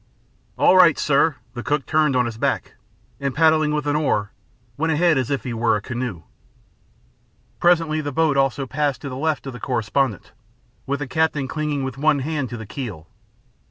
"All right, sir." The cook turned on his back, and, paddling with an oar, went ahead as if he were a canoe. Presently the boat also passed to the left of the correspondent with the captain clinging with one hand to the keel.